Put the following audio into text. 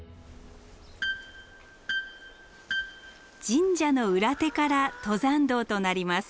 神社の裏手から登山道となります。